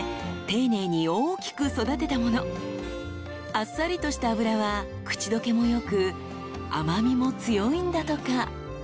［あっさりとした脂は口どけも良く甘味も強いんだとか］